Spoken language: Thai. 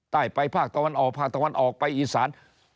ไปภาคตะวันออกภาคตะวันออกไปอีสาน